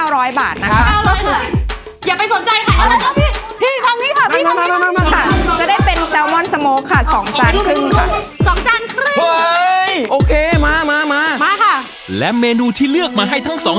เร็วเร็ว